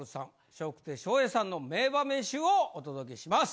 笑福亭笑瓶さんの名場面集をお届けします。